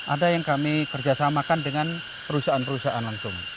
ada yang kami kerjasamakan dengan perusahaan perusahaan langsung